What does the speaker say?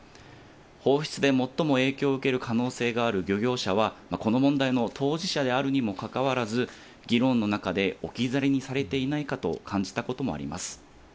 放出で最も影響を受ける可能性がある漁業者は、この問題の当事者であるにもかかわらず、議論の中で置き去りにされていないかと感じたこともあります。